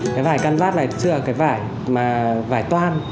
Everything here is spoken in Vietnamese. cái vải can vát này thật sự là cái vải toan